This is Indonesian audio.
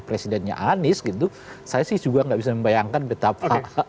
presidennya anies gitu saya sih juga nggak bisa membayangkan betapa